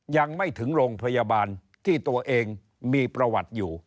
ยังไม่ถึงโรงพยาบาลที่ตัวเองมีประวัติอยู่